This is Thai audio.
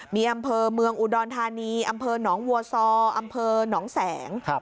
มีอำเภอเมืองอุดรธานีอำเภอหนองวัวซออำเภอหนองแสง